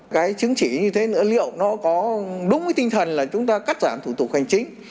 cái chứng chỉ như thế nữa liệu nó có đúng với tinh thần là chúng ta cắt giảm thủ tục hành chính